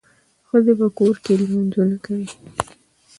ښځي په کور کي لمونځونه کوي.